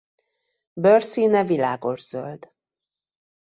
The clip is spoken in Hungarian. Bőrszíne világoszöld.